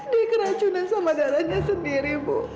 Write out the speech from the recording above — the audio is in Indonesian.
dia keracunan sama darahnya sendiri bu